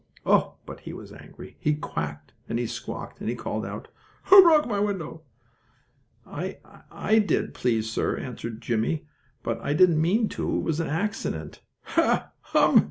Oh, but he was angry! He quacked, and he squawked, and he called out: "Who broke my window?" "I I did, please sir," answered Jimmie. "But I didn't mean to. It was an accident." "Ha, hum!